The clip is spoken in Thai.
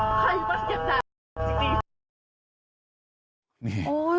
โอ้ยโอ้ยโอ้ยไม่เห็นเหรอไม่มั้ย